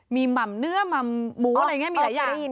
มีหม่ำเนื้อหม่ำหมูอะไรอย่างนี้มีหลายอย่าง